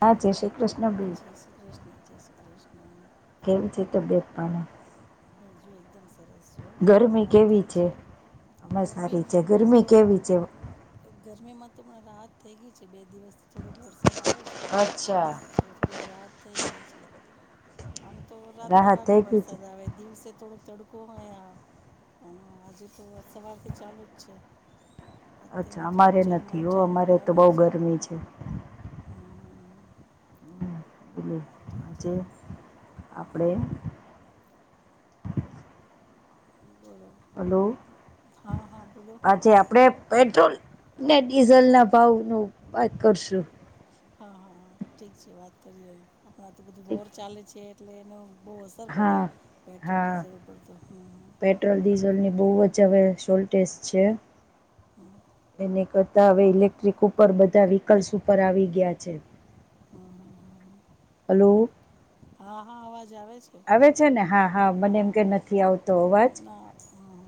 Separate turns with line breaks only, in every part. હ છે શ્રીકૃષ્ણ બ
જય શ્રી જય શ્રી કૃષ્ણ કૃષ્ણ
કેવું છે તો બેગપનું
હજએ એકદમ સરસ જો તમારે કેમ છે
અમે
ગરમી
સારી છે
હમણાં
ગરમી
તો
કેવી છે
ગરમીમાં તો પણ રાહત થઈ ગય છે બે દિવસ થોડોક વરસાદ વરસાદ આવે છે
અચ્છા
તો થોડીક રાહત થઈ ગઈ છે આમ તો રાતના
રાહત
ભાગે
થઈ ગઈ છે
વરસાદ આવે થોડો તડકો મળ અને આજે તો સવારથી ચાલુ જ છે અત્યારે
અચ્છા
થોડોક
અમારે
ઝરમર
નથી હો
ઝરમર
અમારે તો
આવે
બહ ગરમી છે
હમ, ઠીક છે.
જે આપણે
બોલો
હલો
હા હા બોલો
આછ આપડે પેટ્રોલ ને ડીઝલ ના ભાવ નું વાત કરશું
હા હા ઠીક છે વાત કરીએ આપણા તો બધું
ઠીક.
બોર ચાલે છે એટલે એનું બહુ અસર પડે
હા
પેટ્રોલ
હા
ડીઝલ ઉપર તો હ
જવે શોલ્ટટેસ છે એને કરતા હવે ઇલેક્ટ્રિક ઉપર બધા વ્હીકલ્સ ઉપર આવી ગયા છે
હમ હમ.
હલો
હા હા અવાજ આવે
આવે છે ને હા હા મને એમ કે નથી આવતો અવાજ
ના હમ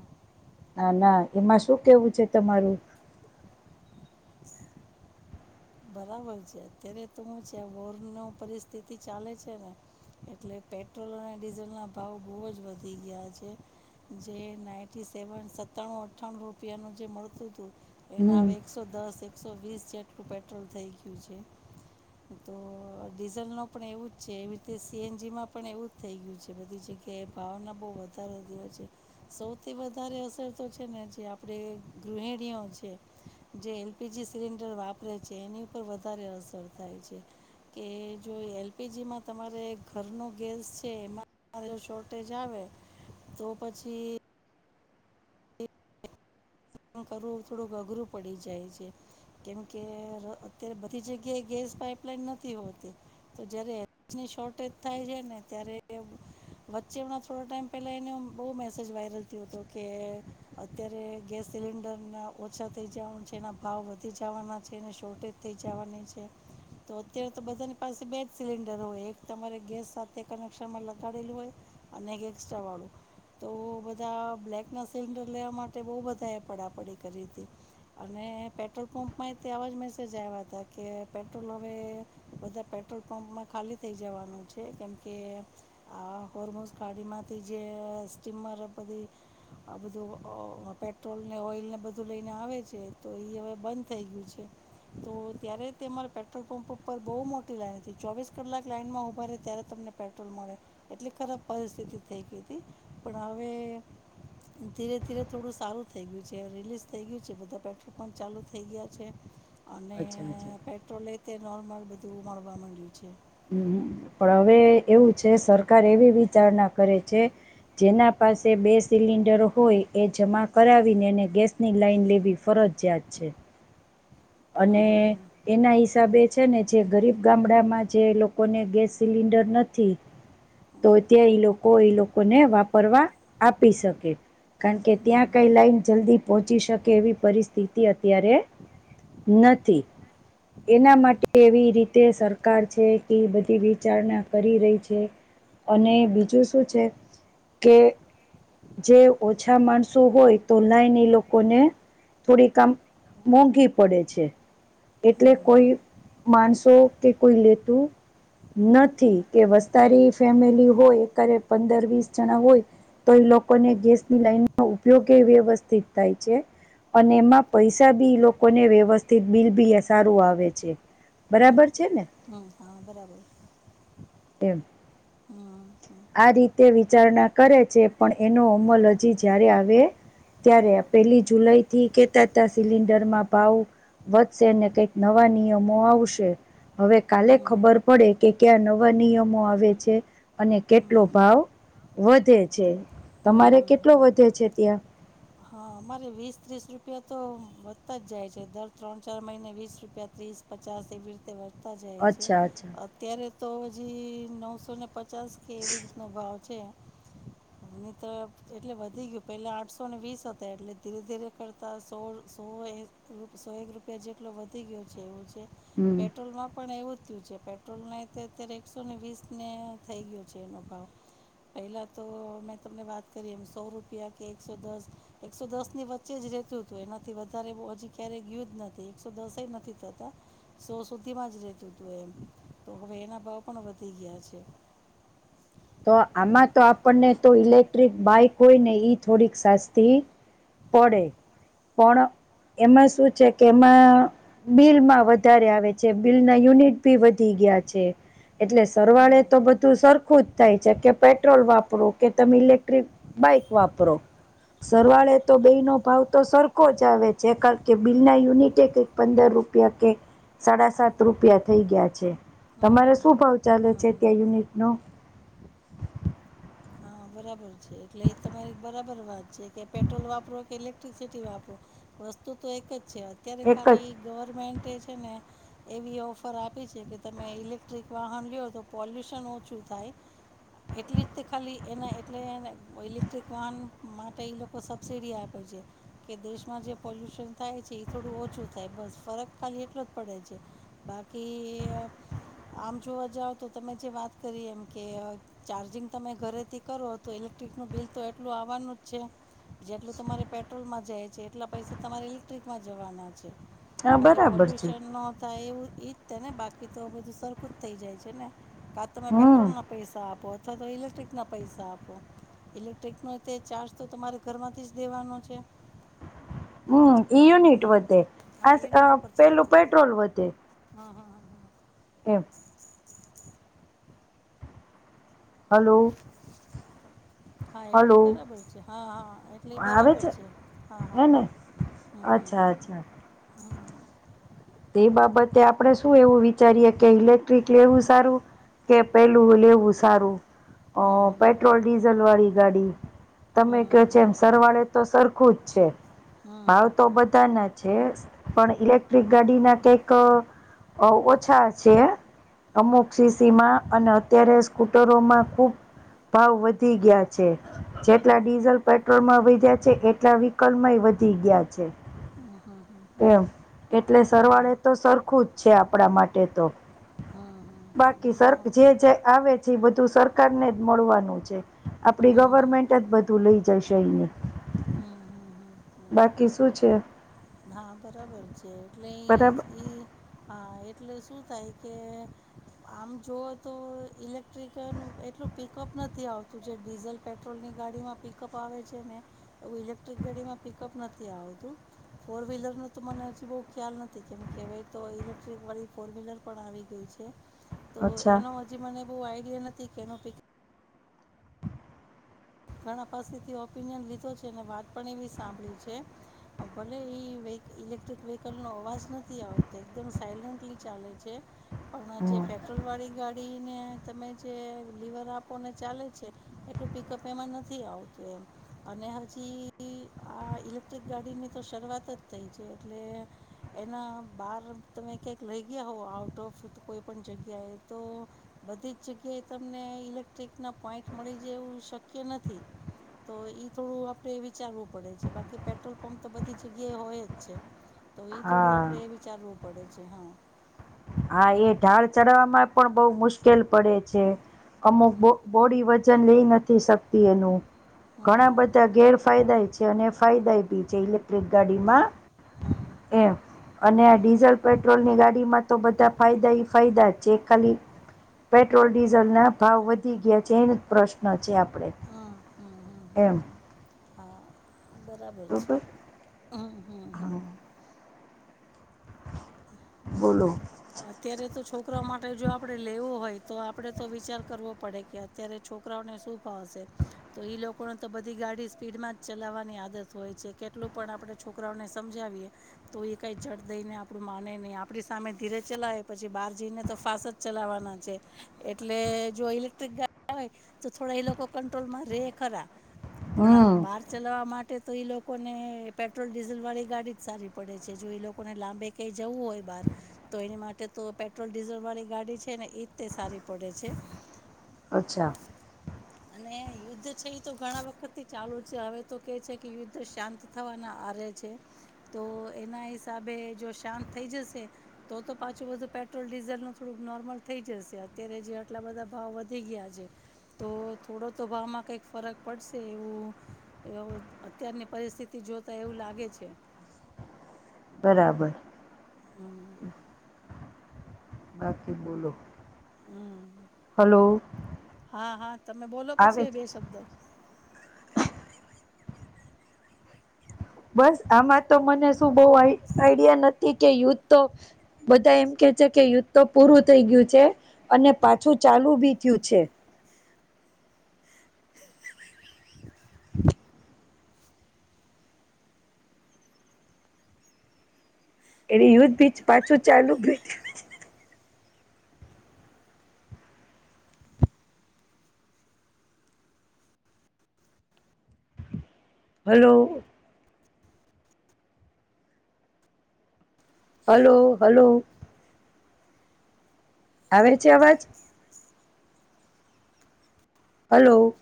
નાા ના એમાં શું કેવું છે તમારું
બરાબર છે અત્યારે તો હું છે વોર નો પરિસ્થિતિ ચાલે છે ને એટલે પેટ્રોલ અને ડીઝલ ના ભાવ બહુ જ વધી ગયા છે જે નાઇટી સેવન સત્તાણું અઠ્ઠાણું રૂપિયાનું જે મળતું હતું એના
હમ
હવે એકસો દસ એકસો વીસ જેટલું પેટ્રોલ થઈ ગયું છે તો ડીઝલ ન પણ એવું જ છે એવી રીતે સીએનજી માં પણ એવું જ થઇ ગયું છે બધી જગ્યા કે ભાવના બહુ વધારો દ હોય છે સૌથી વધારે અસર તો છે ને જે આપણે ગૃહિણીઓ છે જે એલપીજી સિલિન્ડર વાપરે છે તે એની ઉપર વધારે અસર થાય છે કે જો એલપીજીમાં તમારે ઘરનો ગેસ છે એમાં શોર્ટેજ આવે તો પછી કરવું થોડુંક અઘરું પડી જાય છે કેમ કે અત્યારે બધી જગ્યાએ ગેસ પાપલાઈન નથી હોતી તો જયારે શોર્ટેજ થાય છે ને ત્યારે વચ્ચે હમણા થોડા ટાઈમ પેલા એનો બહુ મેસેજ વાયરલ થયો હતો કે અત્યારે ગેસ સિલિન્ડરના ઓછા થઈ જવાનું છે એના ભાવ વધી જવાના છે એને શોર્ટેજ થઈ જવાની છે તો અત્યારે તો બધાની પાસે બે જ સિલિન્ડર હોય એક તમારે ગેસ સાથે કનેક્શનમાં લગાડેલું હોય અને એક એક્સ્ટ્રા વાળું તો બધા બ્લેક ના સિલિન્ડર લેવા માટે બહુ બધા એપ પડાપડી કરી હતી અને પેટ્રોલ પંપમાં તે આવા જ મેસેજ આવ્યા હતા કે પેટ્રોલ હવે બધા પેટ્રોલ પંપમાં ખાલી થઈ જવાનું છે કેમકે આ ધમુસ ગાડીમાંથી જે સ્ટીમર બધી બધુંે પેટ્રોલને ઓઇલને બધું લઈને આવે છે તો એ હવે બંધ થઈ ગયું છે તો ત્યારે તે તમારા પેટ્રોલ પંપ પર બહુ મોટી લાઈન હતી ચોવીસ કલાક લાઈન માં ઉભા ત્યારે પેટ્રોલ મળે એટલી ખરાબ પરિસ્થિતિ થઈ ગઈ હતી પણ હવે ધીરે ધીરે થોડું સારું થઈ ગયું છે રિલીઝ થઈ ગયું છે બધા પેટ્રોલ પંપ ચાલુ થઈ ગયા છે અને
અચ્છા અચ્છા
પેટ્રોલે તે નોર્મલ બધું મળવા માંડ્યું છે
હમ્મ પણ હવે એવું છે સરકાર એવી વિચારણા કરે છે જેના પાસે બે સિલિન્ડર હોય એ જમા કરાવીને એને ગેસની લાઈન લેવી ફરત ફરત જીયાત છે અને
હમ હમ
એના હિસાબે છે ને જે ગરીબ ગામડા માં જે લોકોને ગેસ સિલિન્ડર નથી તો ત્યાં ઈ લોકો ઈ લોકોને વાપરવા આપી શકે કારણ કે
હમ
ત્યાં
હમ
કઈ લાઈન જલ્દી પહોંચી શકે એવી પરિસ્થિતિ અત્યારે નથી એના માટે એવી રીતે સરકાર છે કે બધી વિચારણા કરી રહી છે અને બીજું શું છે કે જે ઓછા માણસો હોય તો લાઈની લોકોને થોડી કામ મોંઘી પડે છે એટલે
હમ
કોઈ માણસો કે કોઈ લેતું નથી કે
હમ
વસ્તારી ફેમિલી હોય કરે પંદર વીસ જણા હોય તો એ લોકોને ગેસની લાઈન ન ઉપયોગ એ વ્યવસ્થિત થાય છે અને એમાં પૈસા બી લોકો ને વ્યવસ્થિત બિલ બી સારું આવે છે બરાબર છે
હમ્મ હા બરાબર
તેમ
હમ હમ
આ રીતે તે વિચારણા કરે છે પણ એનો અમલ હજી જ્યારે આવે ત્યારે પેલી જુલાઈ થી કેતા હતા સિલિન્ડરમાં ભાવ વધશે ને કઈક નવા નિયમો આવશે હવે કાલે
હમ
ખબર પડે કે ક્યા નવા નિયમો આવે છે અને
હમ
કેટલો ભાવ વધે છે તમારે
હમ હમ
કેટલો
હમ
વધે છે ત્યાં
હા અમારે વીસ ત્રીસ રૂપિયા તો વધતા જ જાય છે દર ત્રણ ચાર મહિને વીસ રૂપિયા બીસ પચાસ એ બી જાય છે
અચ્છા અચ્છા
અત્યારે તો હજી નવસોને પચાસ કે એવી રીતનો ભાવ છે એની તો એટલે વધી ગયું પહેલા આઠસો સોને વીસ હતા એટલે ધીરે ધીરે કરતા સોળ સો સો એક રૂપિયા જેટલો વધી ગયો વ
હમ
પેટ્રોલ માં પણ એવું છે પેટ્રોલ ના અત્યારે એકસો ને વીસ ને થઈ ગયો છે એનો ભાવ પેલા તો મેં તમને વાત કરી એમ સો રૂપિયા કે એકસો દસ એકસો દસ ની વચ્ચે જ રતું હતું એનાથી વધારે હજી ક્યારે ગયું જ નથી એકસો દસ એ નથી થતા સો સુધીમાં જ રેતું હતું એમ તો હવે એના ભાવ પણ વધી ગયા છે
[inaudible] તો આમાં તો આપણને તો ઇલેક્ટ્રિક બાઈક હોય ને ઈ થોડીક સાસ્તી પડે પણ એમાં શું છે કે એમાં બિલમાં વધારે આવે છે બિલ ના યુનિટ ભી વધી ગ ગયા છે એટલે સરવાળે
હમ
તો બધું સરખું જ થાય છે કે પેટ્રોલ વાપરો કે તમે ઇલેક્ટ્રિક બાઈક વાપરો
હા
સરવાળે તો બે નો ભાવ તો સરખો જ આવે જે કાર કે બિલ ના યુનિટે કંઈક પંદર રૂપિયા કે સાડા સાત રૂપિયા થઈ ગયા છે તમારે શું ભાવ ચાલે છે ત્યાં યુનિટ નો
હા બરાબર છે એટલે એ તમારી બરાબર વાત છે કે પેટ્રોલ વાપરો કે એ ક્ટ્રિસિટી વાપરો વસ્તુ તો એક જ છે અત્યારે
એક જ
ખાલી ગવર્મેન્ટ એ છે ને એવી ઓફર આપી છે કે તમે ઇલેક્ટ્રિક વાહન લયો તો પોલ્યુશન ઓછું થાય. એટલી જ તે ખાલી એના એટલેને ઇલેક્ટ્રિક વાહન માટે એ લોકો સબસિડી આપે છે કે દેશમાં જે પોલ્યુશન થાય છે એ થોડું ઓછું થાય બસ ફરક ખાલી એટલો જ પડે છે. બાકી આમ જોવા જાવ તો તમે જે વાત કરી એમ કે ચાર્જિંગ તમે ઘરે તી કરો તો ઇલેક્ટ્રિકનું બિલ તો એટલું આવવાનું જ છે. જેટલું તમારે પેટ્રોલમાં જાય છે એટલા પૈસા તમારે ઇલેક્ટ્રિકમાં જવાના છે.
હા
ખાલી
બરાબર છે
પોલ્યુશન ન થાય એવું ઈજ થ ને બાકી તો બધું સરખું જ થઇ જાય છે ને. કા તમે
હમ
પેટ્રોલ ના પૈસા આપો અથવા તો ઇલેક્ટ્રિક ના પૈસા આપો ઇલેક્ટ્રિકનો તે ચાર્જ તો તમારે ઘરમાંથી જ દેવાનો છે.
[inaudible] હમ્મ ઈ યુનિટ
હમ
વધે
હા યુનિટ
આ
ઉપર
પેલું
ચાલતું હોય
પેટ્રોલ વધે.
હં હં હં હં
એમ. હલો.
હા એટલી
હલો
બરાબર છે હા-હા. એટલે એ બરાબર છે હા-હા
હેને
હ હ
અચ્છા અચ્છા
હા.
તે બાબતે આપડણે શું એવું વિચારીએે કે ઇલેક્ટ્રિક લેવું સારું કે પેલું લેવું સારું
હં હં હં
અ
હં
પેટ્રોલ ડીઝલ વાળી ગાડી.
હં
તમે કયો છે એમ સરવાળે તો સરખું જ છે.
હં હં હં હં હં હં હં
ભાવ તો
હં હં હં હં હં
બધા ના છે પણ ઇલેક્ટ્રિક ગાડી ના કંઈક ઓછા છે. અમુક સીસી માં અને અત્યારે સ્કૂટરોમાં ખુબ ભાવ વધી ગયા છે જેટલા ડીઝલ પેટ્રોલ માં વધ્યા છે એટલા વિહિકલમાં વધી ગયા છે એમ. એટલે સરવાળ એ તો સરખું જ છે આપડા માટે તો. બાકી સર જે જે આવે છે એ બધું સરકાર ને જ મળવાનું છે આપડી ગવ
હં હં
મેન્ટ જ બધું લઈ જશે અહીંયા.
હમ્મ.
બાકી શું છે?
હા બરાબર છે એટલે ઈંચ
બરાબર
ઈ હ એટલે શું થાય કે આમ જુઓ તો ઇલેક લીટર નુ પેટ્રોલ પી પિકઅપ નથી આવતું જે ડીઝલ પેટ્રોલની ગાડીમાં પિકઅપ આવે છે ને એઉ ઇલેક્ટ્રિક ગાડીમાં પિકઅપ નથી આવતું. ફોર વ્હીલરનો તો મને હજી બહુ ખ્યાલ નથી કેમ કે હવે તો ઇલેક્ટ્રિક વાળી ફોર વ્હીલર પણ આવી ગઈ છે. તો
અચ્છા
એનો હજી મને બહુ આઈડિયા નથી કે એનો પીક
[inaudible]
ઘણા પાસેથી ઓપિનિયન લીધો છે ને વાત પણ એમની સાંભળી છે ભલે એ વે ઇલેક્ટ્રિક વિહિકલ નો અવાજ નથી આવતો એકદમ સાયલન્ટલી ચાલે છે. પણ જે
હમ
પેટ્રોલ વાળી ગા ડીને તમે જે લીવર આપો ને ચાલે છે એટલું પિકઅપ એમાં નથી આવતું એમ અને હજી આ ઇલેક્ટ્રિક ગાડીની તો શરૂઆત જ થઈ છે એટલે એના બાર તમે ક્યાંક વઈ ગયા હો આઉટ ઓફ તો કોઈ પણ જગ્યાએ તો બધી જ જગ્યાએ તમને ઇલેક્ટ્રિકના પોઈન્ટ મળી જાય એવું શક્ય નથી. તો ઈ થોડું આપણે વિચારવું પડે છે બાકી પેટ્રોલ પંપ તો બધી જગ્યાએ હોય જ છે. તો એ થોડું
હા
આપણે વિચારવું પડે છે હા.
હા એ ઢાળ ચડવામાં પણ બહુ મુશ્કેલ પડે છે. અમુક બો
હમ
બોડી વજન લઈ નથી શકતી એનું. ઘણા
હમ
બધા ગેરફાયદાય ઈ છે અને ફાયદાય બી છે ઇલેક્ટ્રિક ગાડીમાં.
હમ હમ
એમ અને આ ડીઝલ પેટ્રોલની ગાડીમાં તો બધા ફાયદા ઈ ફાયદા જ છે એક ખાલી પેટ્રોલ ડીઝલના ભાવ વધી ગ્યા છે એને જ પ્રશ્ન છે આપડે.
હમ હમ હમ હમ હમ
એમ
હમ હા બરાબર છે
બરોબર
હમ્મ, હમ્મ, હમ્મ
હા બોલો.
અત્યારે તો છોકરાઓ માટે જો આપડે લેવું હોય તો આપડે તો વિચાર કરવો પડે કે અત્યારે છો છોકરાઓને શું ફાવશે તો ઈ લોકોને તો બધી ગાડી સ્પીડમાં જ ચલાવવાની આદત હોય છે કે એટલું પણ આપણે છોકરાઓને સમજાવીએ તો એ કાંઈ ઝટ દઈને આપણું માને નહીં આપણી સામે ધીરે ચલાવે પછી બહાર જઈને તો ફાસ જ ચલાવવાના છે, એટલે જો ઇલેક્ટ્રિક ગા હોય, તો થોડા એ લોકો કંટ્રોલમાં રે ખરા, પણ
હમ
બાર ચલાવા મા ટે તો એ લોકોને પેટ્રોલ ડીઝલવાળી ગાડી જ સારી પડે છે જો એ લોકોને લાંબે કંઈ જવું હોય બહાર તો એની માટે તો પેટ્રોલ ડીઝલવાળી ગાડી છે ને ઈ જ તે સારી પડે છે.
અચ્છા.
અને યુદ્ધ છે ઈ તો ઘણા વખત થી ચાલુ છે, હવે તો કે છે કે યુદ્ધ શાંત થવાના આરે છે, તો એના હિસાબે જો શાંત થઈ જશે તો તો પાછું બધું પેટ્રોલ ડીઝલનું થોડુંક નોર્મલ થઈ જશે અત્યારે જે આટલા બધા ભાવ વધી ગ્યા છે તો થોડો તો ભાવમાં કંઈક ફરક પડશે એવું એવું અત્યારની પરિસ્થિતિ જોતા એવું લાગે છે.
હ બરાબર.
હમ
બાકી બોલો
હમ.
હલો
હા, હા, તમે બોલો પછી
આવે
હવે બે શબ્દો.
બસ, આમાં તો મને શું બહુ આઈ આઈડિયા નથી, કે યુદ્ધ તો બધા એમ કે છે કે, યુદ્ધ તો પૂરું થઈ ગ્યું છે, અને પાછું ચાલુ બી થ્યું છે. [unintelligible] એટલે યુદ્ધ બીચ પાછું ચાલુ બીચ થ્યું હલો. Hello, hello. આવે છે અવાજ? હલો.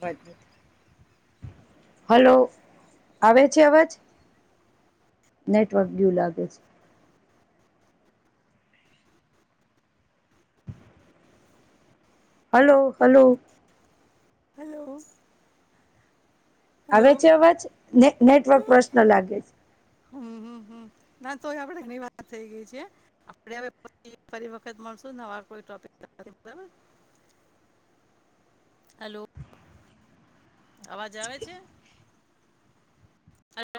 બધ હલો, આવે છે અવાજ? નેટવર્ક ગ્યુ લાગે છ. Hello, hello.
હલો.
આવે
હલો
છે અવાજ, ને નેટવર્ક પ્રશ્ન લાગે છે.
હમ હમ હમ ના, તોય આપડે ઘણી વાત થઈ ગઈ છે. આપણે હવે ફ ફરી વખત મળશું, નવા કોઈ ટોપિક સાથે, બરાબર?
[inaudible]
હલો. અવાજ આવે છે?